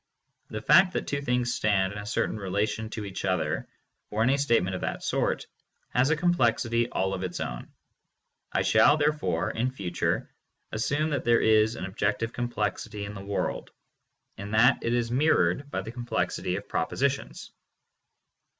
The fact that two things stand in a certain rela tion to each other, or any statement of that sort, has a 520 THE MONIST. complexity all of its own. I shall therefore in future as sume that there is an objective complexity in the world, and that it is mirrored by the complexity of propositions.